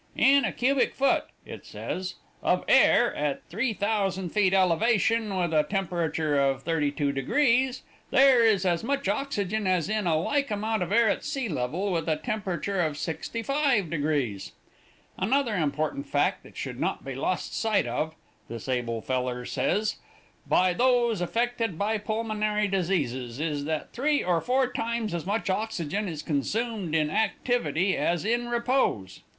'In a cubic foot,' it says, 'of air at 3,000 feet elevation, with a temperature of 32 degrees, there is as much oxygen as in a like amount of air at sea level with a temperature of 65 degrees. Another important fact that should not be lost sight of,' this able feller says, 'by those affected by pulmonary diseases, is that three or four times as much oxygen is consumed in activity as in repose.'